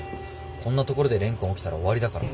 こんなところで蓮くん起きたら終わりだから。